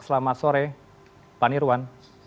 selamat sore pak nirwan